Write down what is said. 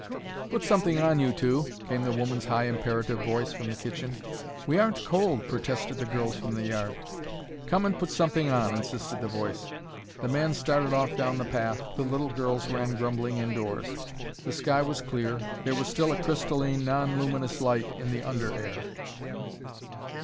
"Put something on, you two!" came the woman's high imperative voice, from the kitchen. "We aren't cold," protested the girls from the yard. "Come and put something on," insisted the voice. The man started off down the path, the little girls ran grumbling indoors. The sky was clear, there was still a crystalline, non luminous light in the under air.